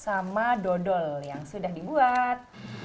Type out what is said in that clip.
sama dodol yang sudah dibuat